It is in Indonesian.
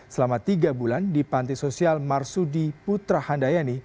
selama tiga bulan di panti sosial marsudi putra handayani